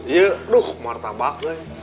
iya aduh martabak